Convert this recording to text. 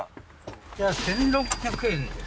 じゃあ１，６００円です。